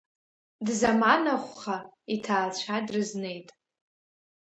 Дзаманахәха иҭаацәа дрызнеит.